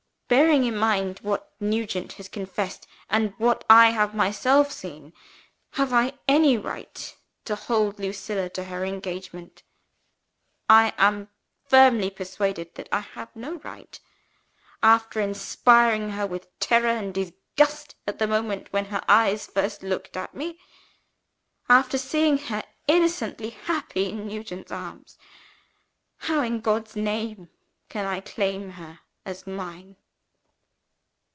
"Bearing in mind what Nugent has confessed, and what I have myself seen, have I any right to hold Lucilla to her engagement? I am firmly persuaded that I have no right. After inspiring her with terror and disgust at the moment when her eyes first looked at me; after seeing her innocently happy in Nugent's arms how, in God's name, can I claim her as mine?